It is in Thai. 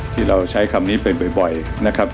ที่เราใช้คำนี้เป็นบ่อยนะครับ